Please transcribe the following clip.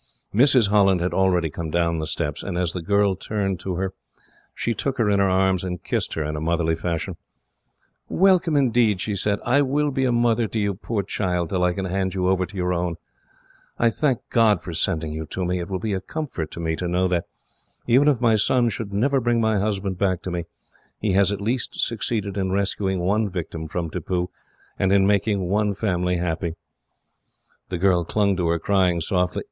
Mrs. Holland had already come down the steps, and as the girl turned towards her, she took her in her arms, and kissed her in motherly fashion. "Welcome, indeed," she said. "I will be a mother to you, poor child, till I can hand you over to your own. I thank God for sending you to me. It will be a comfort to me to know that, even if my son should never bring my husband back to me, he has at least succeeded in rescuing one victim from Tippoo, and in making one family happy." The girl clung to her, crying softly.